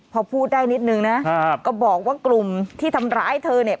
พอพูดได้นิดนึงนะก็บอกว่ากลุ่มที่ทำร้ายเธอเนี่ย